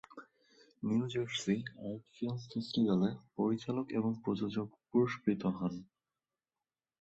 New Jersey art film ফেস্টিভ্যালে পরিচালক এবং প্রযোজক পুরষ্কৃত হন।